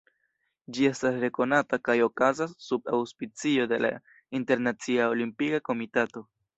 Ĝi estas rekonata kaj okazas sub aŭspicio de la Internacia Olimpika Komitato.